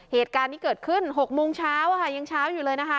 เหตุการณ์นี้เกิดขึ้น๖โมงเช้าค่ะยังเช้าอยู่เลยนะคะ